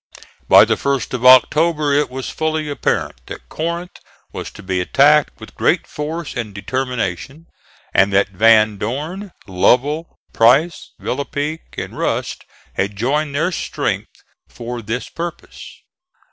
By the 1st of October it was fully apparent that Corinth was to be attacked with great force and determination, and that Van Dorn, Lovell, Price, Villepigue and Rust had joined their strength for this purpose.